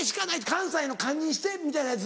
関西の「堪忍して」みたいなやつ。